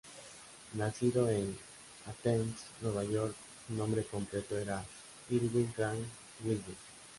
Nacido en Athens, Nueva York, su nombre completo era Irwin Crane Wilbur.